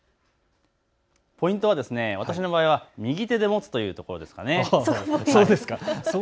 ポイントは私の場合は右手で持つというところですかね。